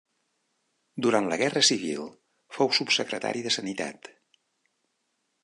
Durant la Guerra Civil fou subsecretari de sanitat.